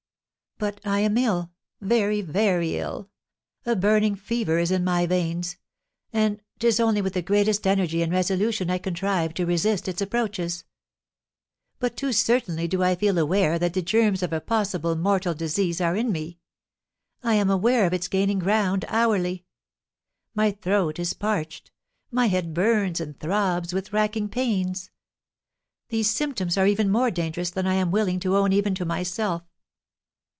"But I am ill, very, very ill; a burning fever is in my veins; and 'tis only with the greatest energy and resolution I contrive to resist its approaches. But too certainly do I feel aware that the germs of a possibly mortal disease are in me. I am aware of its gaining ground hourly. My throat is parched, my head burns and throbs with racking pains. These symptoms are even more dangerous than I am willing to own even to myself.